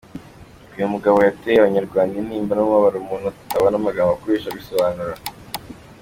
Uyu mugabo yateye abanyarwanda intimba n’umubabaro Umuntu atabona amagambo akoresha abisobanura.